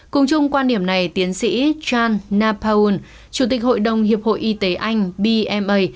cùng chung quan điểm này tiến sĩ john napaul chủ tịch hội đồng hiệp hội y tế anh bma